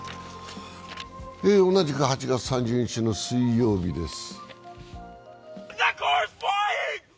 同じく８月３０日の水曜日です。